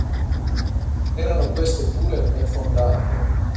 Erano queste pure ben fondate.